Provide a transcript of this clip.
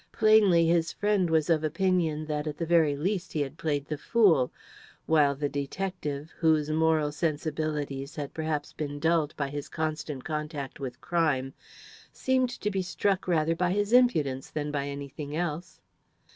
Plainly his friend was of opinion that, at the very least, he had played the fool; while the detective, whose moral sensibilities had perhaps been dulled by his constant contact with crime, seemed to be struck rather by his impudence than by anything else.